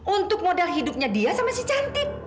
untuk modal hidupnya dia sama si cantik